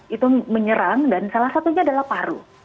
itu menyerang dan salah satunya adalah paru